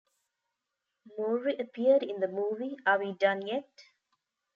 Mowry appeared in the movie Are We Done Yet?